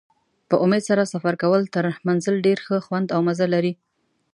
په امید سره سفر کول تر منزل ډېر ښه خوند او مزه لري.